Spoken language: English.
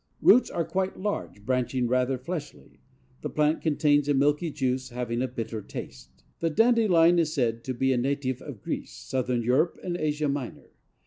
Roots are quite large, branching, rather fleshy. The plant contains a milky juice, having a bitter taste. The Dandelion is said to be a native of Greece, southern Europe and Asia Minor.